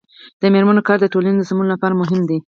د میرمنو کار د ټولنې سمون لپاره مهم دی.